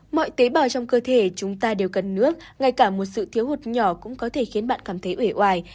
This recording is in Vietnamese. mọi tế bào trong cơ thể chúng ta đều cần nước ngay cả một sự thiếu hụt nhỏ cũng có thể khiến bạn cảm thấy oể